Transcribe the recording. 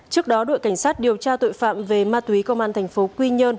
trước đó đội cảnh sát điều tra tội phạm về ma túy công an tp quy nhơn